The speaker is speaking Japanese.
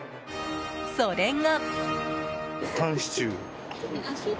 それが。